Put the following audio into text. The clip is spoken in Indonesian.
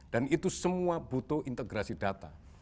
dan itu semua butuh integrasi data